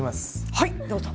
はいどうぞ。